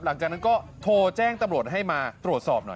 หลังจากนั้นก็โทรแจ้งตำรวจให้มาตรวจสอบหน่อย